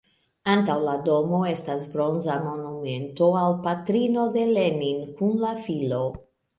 Antaŭ la domo estas bronza monumento al patrino de Lenin kun la filo.